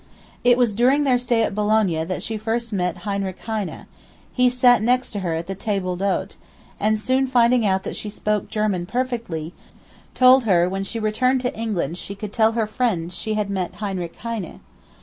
It was during their stay at Boulogne that she first met Heinrich Heine; he sat next her at the table d'hôte, and, soon finding out that she spoke German perfectly, told her when she returned to England she could tell her friends she had met Heinrich Heine.